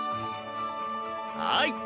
はい。